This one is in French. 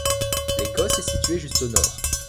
L'Écosse est située juste au nord.